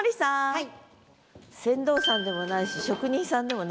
はい。